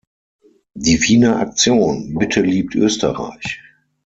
Die Wiener Aktion "Bitte liebt Österreich.